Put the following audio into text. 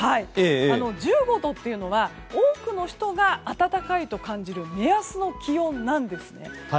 １５度というのは多くの人が暖かいと感じる目安の気温なんですね。